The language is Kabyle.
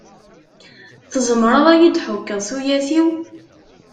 Tzemreḍ ad yi-d-tḥukkeḍ tuyat-iw?